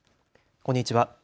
こんにちは。